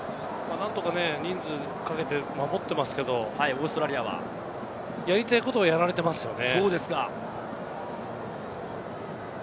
何とか人数をかけて守っていますが、やりたいことをやられていますよね。